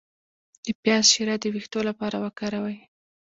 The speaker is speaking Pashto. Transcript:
د پیاز شیره د ویښتو لپاره وکاروئ